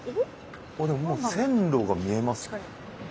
もう線路が見えますね。